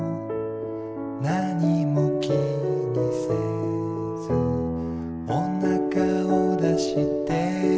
「何も気にせず」「おなかを出して」